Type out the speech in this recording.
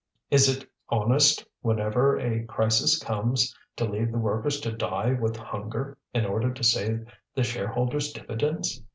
Is it honest, whenever a crisis comes, to leave the workers to die with hunger in order to save the shareholders' dividends?